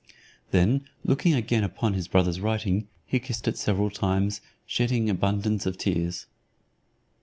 Then looking again upon his brother's writing, he kissed it several times, shedding abundance of tears.